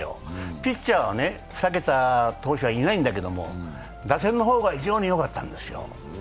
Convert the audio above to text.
ピッチャーは２桁投手はいないんだけれども、打線が非常によかったんですよ。